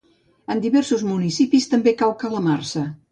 En diversos municipis també cau calamarsa.